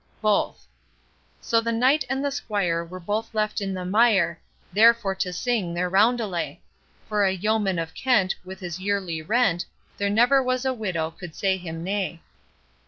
Both. So the knight and the squire were both left in the mire, There for to sing their roundelay; For a yeoman of Kent, with his yearly rent, There never was a widow could say him nay.